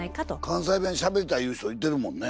関西弁しゃべりたい言う人いてるもんね。